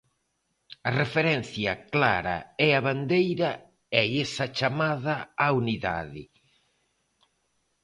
A referencia clara é á bandeira e a esa chamada á unidade.